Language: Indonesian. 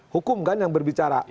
hukum kan yang berbicara